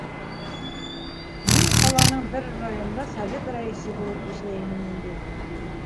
Мин ҡаланың бер районында совет рәйесе булып эшләй инем инде.